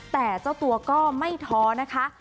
แต่เจ้าตัวก็ไม่ท้อนะคะ